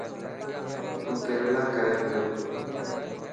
تو ڪيريلا ڪري پيو.